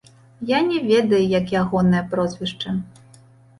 Я не ведаю, як ягонае прозвішча.